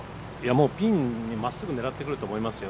もうピンにまっすぐ狙ってくると思いますよ。